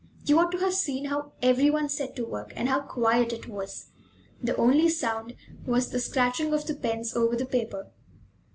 You ought to have seen how every one set to work, and how quiet it was! The only sound was the scratching of the pens over the paper.